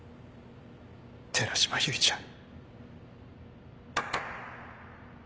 寺島唯ちゃん。